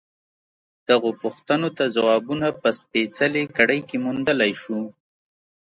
دغو پوښتنو ته ځوابونه په سپېڅلې کړۍ کې موندلای شو.